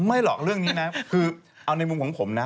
ไม่หรอกเรื่องนี้นะคือเอาในมุมของผมนะ